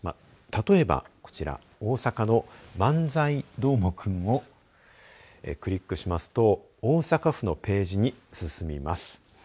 例えばこちら大阪の漫才どーもくんをクリックしますと大阪府のページに進みます。